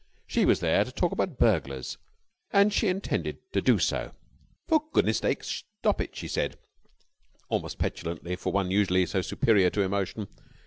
She was there to talk about burglars, and she intended to do so. "For goodness sake stop it!" she said, almost petulantly for one usually so superior to emotion.